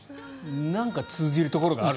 なんか通じるところがある。